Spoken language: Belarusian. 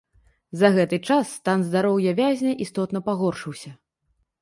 За гэта час стан здароўя вязня істотна пагоршыўся.